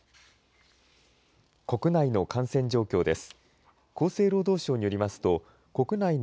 国内の感染状況です。